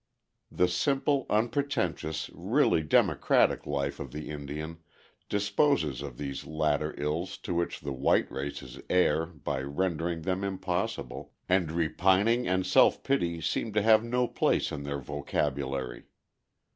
The simple, unpretentious, really democratic life of the Indian disposes of these latter ills to which the white race is heir by rendering them impossible, and repining and self pity seem to have no place in their vocabulary.